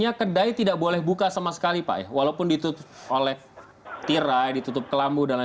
jadi tidak berlaku untuk umum